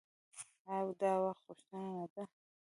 آیا او د وخت غوښتنه نه ده؟